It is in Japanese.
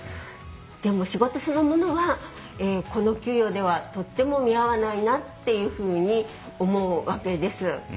でも仕事そのものはこの給料ではとっても見合わないなっていうふうに思うわけです。